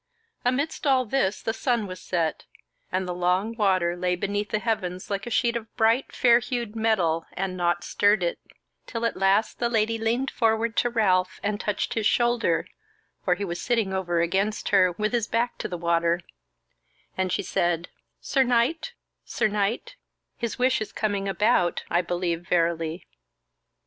Amidst all this the sun was set, and the long water lay beneath the heavens like a sheet of bright, fair hued metal, and naught stirred it: till at last the Lady leaned forward to Ralph, and touched his shoulder (for he was sitting over against her, with his back to the water), and she said: "Sir Knight, Sir Knight, his wish is coming about, I believe verily."